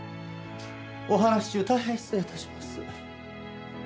お話し中大変失礼致します。